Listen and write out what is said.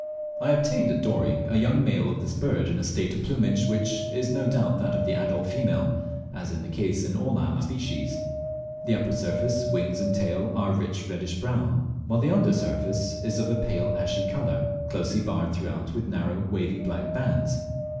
I obtained at Dorey a young male of this bird, in a state of plumage which is no doubt that of the adult female, as is the case in all the allied species. The upper surface, wings, and tail are rich reddish brown, while the under surface is of a pale ashy colour, closely barred throughout with narrow wavy black bands.